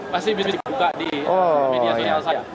pasti bisa dibuka di media sosial saya